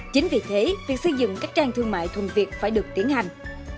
chính vì thế việc xây dựng các trang thương mại thuần việt phải được tiến hành